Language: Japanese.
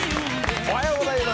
おはようございます。